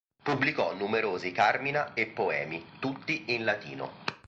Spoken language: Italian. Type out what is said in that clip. Pubblicò numerosi carmina e poemi, tutti in latino.